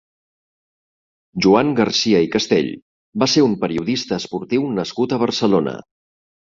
Joan Garcia i Castell va ser un periodista esportiu nascut a Barcelona.